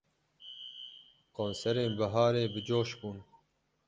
Konserên biharê bi coş bûn.